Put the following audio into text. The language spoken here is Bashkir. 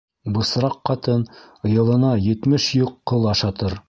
Бысраҡ ҡатын йылына етмеш йөк ҡыл ашатыр.